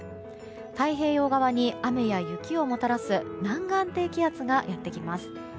太平洋側に雨や雪をもたらす南岸低気圧がやってきます。